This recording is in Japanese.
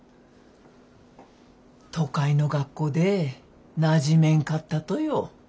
都会の学校でなじめんかったとよ。